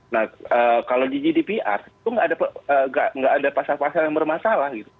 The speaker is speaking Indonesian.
nah kalau di gdpr itu nggak ada pasal pasal yang bermasalah gitu